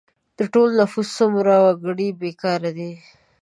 د ټول نفوس څومره وګړي بې کاره دي؟